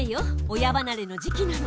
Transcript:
親ばなれの時期なの。